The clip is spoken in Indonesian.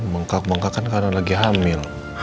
bengkak bengkakan karena lagi hamil